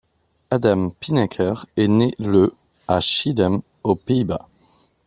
Adam Pynacker est né le à Schiedam aux Pays-Bas.